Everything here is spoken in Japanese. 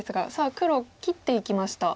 黒切っていきました。